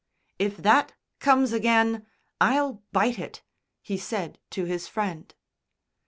"If that comes again I'll bite it," he said to his Friend.